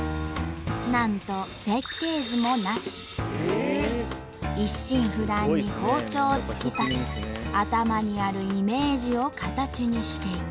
なんと一心不乱に包丁を突き刺し頭にあるイメージを形にしていく。